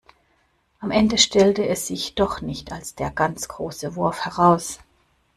Am Ende stellte es sich doch nicht als der ganz große Wurf heraus.